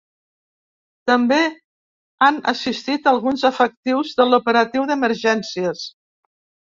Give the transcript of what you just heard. També han assistit alguns efectius de l’operatiu d’emergències.